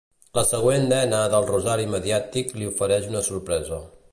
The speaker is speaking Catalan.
La següent dena del rosari mediàtic li ofereix una sorpresa.